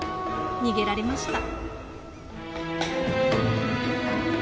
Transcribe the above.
逃げられました。